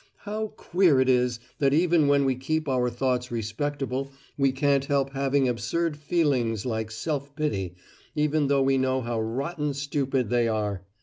How queer it is that even when we keep our thoughts respectable we can't help having absurd feelings like self pity, even though we know how rotten stupid they are!